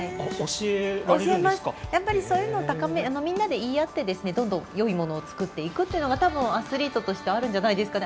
そういうのをみんなで言い合っていいものを作っていくというのがアスリートとしてあるんじゃないですかね。